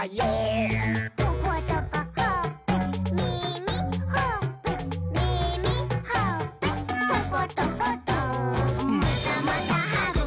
「トコトコほっぺみみほっぺ」「みみほっぺ」「トコトコト」「またまたはぐき！はぐき！はぐき！